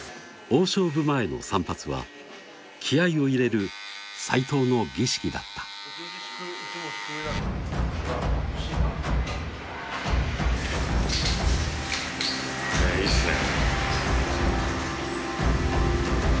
大勝負前の散髪は気合いを入れる斉藤の儀式だったへぇいいっすね